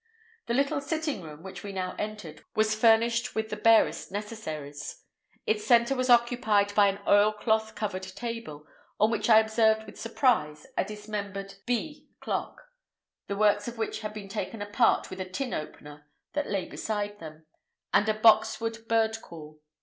The little sitting room, which we now entered, was furnished with the barest necessaries. Its centre was occupied by an oilcloth covered table, on which I observed with surprise a dismembered "Bee" clock (the works of which had been taken apart with a tin opener that lay beside them) and a box wood bird call.